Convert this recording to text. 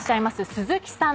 鈴木さん